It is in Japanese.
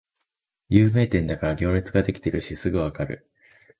有名店だから行列できてるしすぐわかる